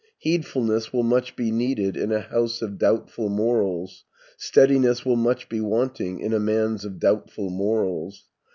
Heedfulness will much be needed In a house of doubtful morals; Steadiness will much be wanting In a man's of doubtful morals.